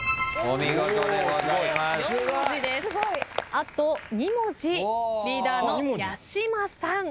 あと２文字リーダーの八嶋さん。